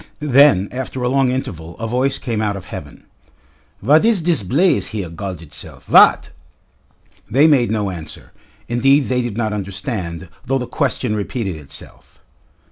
Then after a long interval a voice came out of heaven. "Vat id diss blace here galled itself; vat?" They made no answer. Indeed they did not understand, though the question repeated itself.